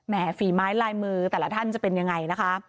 ฝีไม้ลายมือแต่ละท่านจะเป็นยังไงนะคะ